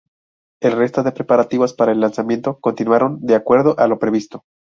El resto de preparativos para el lanzamiento continuaron de acuerdo a lo previsto.